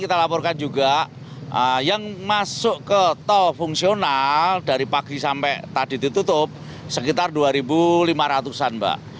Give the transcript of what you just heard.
kita laporkan juga yang masuk ke tol fungsional dari pagi sampai tadi ditutup sekitar dua lima ratus an mbak